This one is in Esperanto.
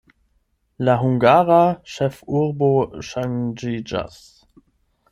La hungara ĉefurbo ŝanĝiĝas.